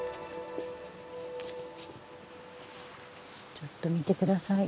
ちょっと見て下さい。